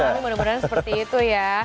tapi mudah mudahan seperti itu ya